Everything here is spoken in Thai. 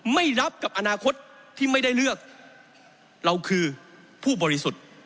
ไม่รับกับอนาคตที่ไม่ได้เลือกเราคือผู้บริสุทธิ์